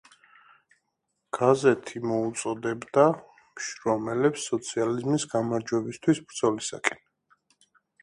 გაზეთი მოუწოდებდა მშრომელებს სოციალიზმის გამარჯვებისათვის ბრძოლისაკენ.